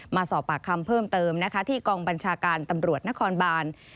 มาสอบปากคำเพิ่มเติมนะคะที่กองบัญชาการตำรวจนครบาน